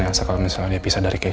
puantkuk merujuk cartho